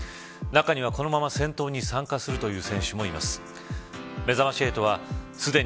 中には、このまま戦闘に参加するという選手もいます。